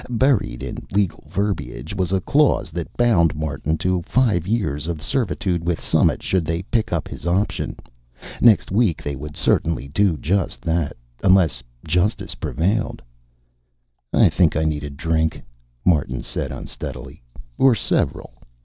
Buried in legal verbiage was a clause that bound Martin to five years of servitude with Summit should they pick up his option. Next week they would certainly do just that, unless justice prevailed. "I think I need a drink," Martin said unsteadily. "Or several."